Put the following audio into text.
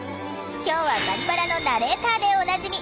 今日は「バリバラ」のナレーターでおなじみ